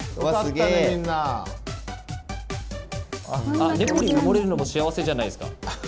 あっ猫に埋もれるのも幸せじゃないすか。